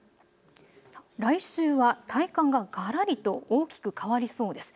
来週は体感ががらりと大きく変わりそうです。